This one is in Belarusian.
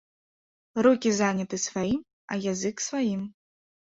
Рукі заняты сваім, а язык сваім.